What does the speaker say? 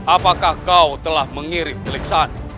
apakah kau telah mengirim teriksan